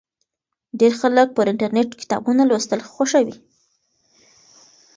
ډیر خلک پر انټرنېټ کتابونه لوستل خوښوي.